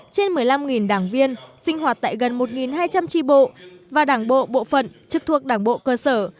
trên một mươi năm đảng viên sinh hoạt tại gần một hai trăm linh tri bộ và đảng bộ bộ phận trực thuộc đảng bộ cơ sở